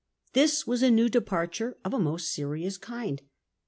This was a new departure of a most serious kind.